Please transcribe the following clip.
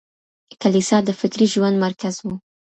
کليسا د فکري ژوند مرکز و.